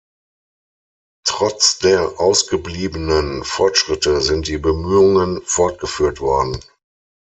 Trotz der ausgebliebenen Fortschritte sind die Bemühungen fortgeführt worden.